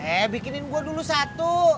eh bikinin gue dulu satu